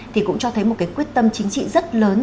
thì cũng cho thấy một cái quyết tâm chính trị rất lớn